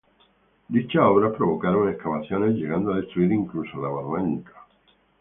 Dichas obras provocaron excavaciones, llegando a destruir incluso la barranca.